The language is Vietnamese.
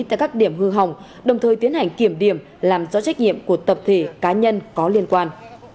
tại các điểm hư hỏng đồng thời tiến hành kiểm điểm làm rõ trách nhiệm của tập thể cá nhân có liên quan